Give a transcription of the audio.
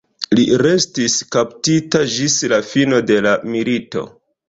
Li restis kaptita ĝis la fino de la milito.